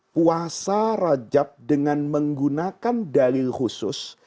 puasa rajab dengan menggunakan dalil khusus